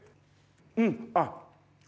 うんあっ！